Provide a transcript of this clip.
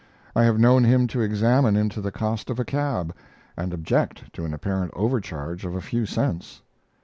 I have known him to examine into the cost of a cab, and object to an apparent overcharge of a few cents.